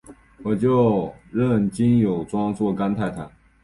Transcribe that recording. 我就认金友庄做干太太！